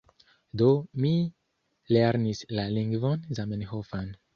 Do, mi lernis la lingvon Zamenhofan.